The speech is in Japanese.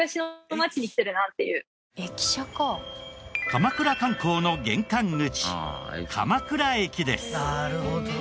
鎌倉観光の玄関口鎌倉駅です。